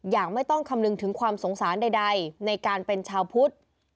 อย่างไม่ต้องคำนึงถึงความสงสารใดในการเป็นชาวพุทธ